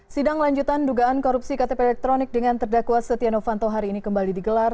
sidang lanjutan dugaan korupsi ktp elektronik dengan terdakwa setia novanto hari ini kembali digelar